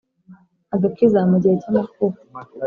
agakiza mu gihe cy amakuba